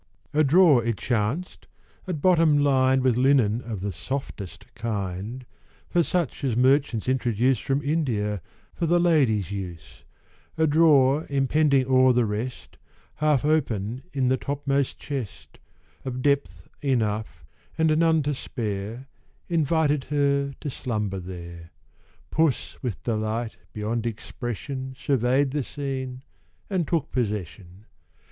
A drawer, it chanced, at bottom lined With linen of the softest kind, With such as merchants introduce From India, for the ladies' use, A drawer impending o'er the rest, Half open in the topmost chest, Of depth enough, and none to spare, Invited her to slumber there; Puss with delight beyond expression, Survey'd the scene, and took possession.